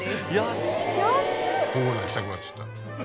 ほら行きたくなっちゃった。